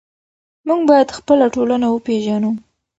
موږ باید خپله ټولنه وپېژنو.